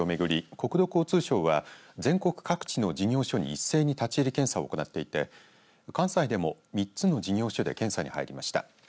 国土交通省は全国各地の事業所に一斉に立ち入り検査を行っていて関西でも３つの事業所で検査に入りました。